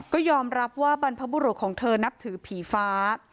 ก็ยอมรับว่าบรรพบุรุษของเธอนับถือผีฟ้า